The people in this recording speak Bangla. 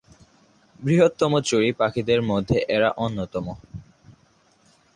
বৃহত্তম চড়ুই পাখিদের মধ্যে এরা অন্যতম।